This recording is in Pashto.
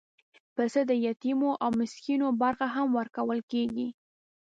پسه د یتیمو او مسکینو برخه هم ورکول کېږي.